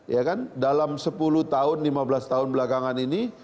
ya kan dalam sepuluh tahun lima belas tahun belakangan ini